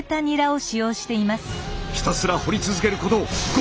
ひたすら掘り続けること５時間！